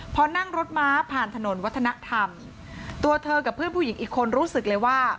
พอนั่งรถม้าผ่านถนนวัฒนธรรมตัวเธอกับเพื่อนผู้หญิงอีกคนรู้สึกเลยว่า